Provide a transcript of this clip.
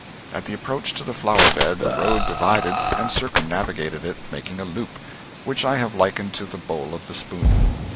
At the approach to the flower bed the road divided and circumnavigated it, making a loop, which I have likened to the bowl of the spoon.